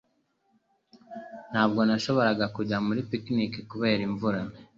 Ntabwo nashoboraga kujya muri picnic kubera imvura.